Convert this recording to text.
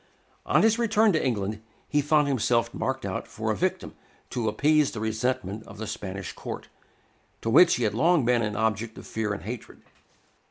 On his return to England, he found himself marked out for a victim to appease the resentment of the Spanish Court, to which he had long been an object of fear and hatred.